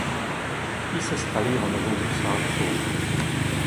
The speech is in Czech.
Ti se stali jeho novou posádkou.